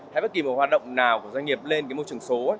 hay bất kỳ một hoạt động nào của doanh nghiệp lên cái môi trường số